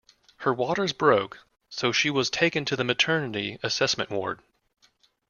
Her waters broke so she was taken to the maternity assessment ward.